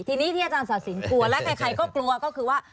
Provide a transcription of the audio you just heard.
ทีนี้ที่อาจารย์ศาสินกลัวและใครก็กลัวก็คือว่า